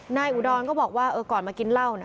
นายอุดรก็บอกว่าก่อนมากินเหล้า